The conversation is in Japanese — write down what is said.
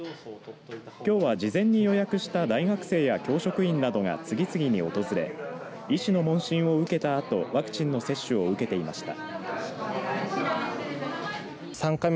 きょうは、事前に予約した大学生や教職員などが次々に訪れ医師の問診を受けたあとワクチンの接種を受けていました。